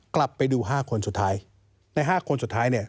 กลับไปดูห้าคนสุดท้ายในห้าคนสุดท้าย